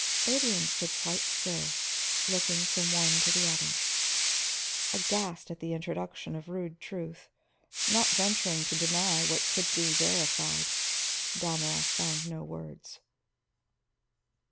Adrian stood quite still, looking from one to the other. Aghast at the introduction of rude truth, not venturing to deny what could be verified, Dalmorov found no words.